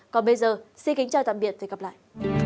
còn bây giờ xin kính chào tạm biệt và hẹn gặp lại